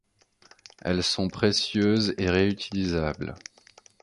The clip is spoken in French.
Elles sont précieuses et réutilisables.